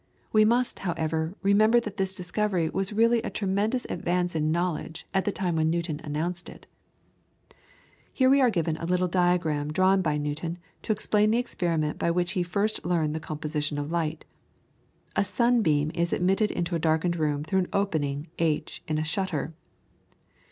We must, however, remember that this discovery was really a tremendous advance in knowledge at the time when Newton announced it. [PLATE: DIAGRAM OF A SUNBEAM.] We here give the little diagram originally drawn by Newton, to explain the experiment by which he first learned the composition of light. A sunbeam is admitted into a darkened room through an opening, H, in a shutter.